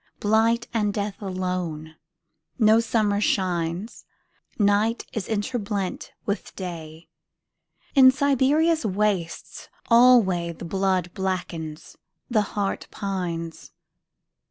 Blight and death alone.No summer shines. Night is interblent with Day.In Siberia's wastes alwayThe blood blackens, the heart pines.